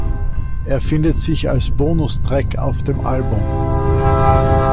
Er findet sich als Bonus-Track auf dem Album.